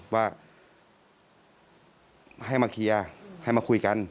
ว่าให้มาเคลียร์ให้มาคุยกัน